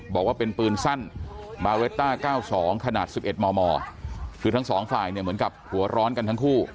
บอกว่าเป็นปืนสั้นบาเรตต้า๙๒ขนาด๑๑มมคือทั้งสองฝ่ายเนี่ยเหมือนกับหัวร้อนกันทั้งคู่